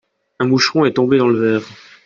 un moucheron est tombé dans le verre.